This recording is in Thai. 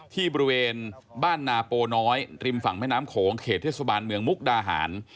บริเวณบ้านนาโปน้อยริมฝั่งแม่น้ำโขงเขตเทศบาลเมืองมุกดาหาร